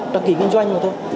đăng ký doanh nghiệp thôi